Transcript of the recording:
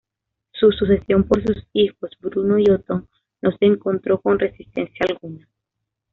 Su sucesión por sus hijos Bruno y Otón no se encontró con resistencia alguna.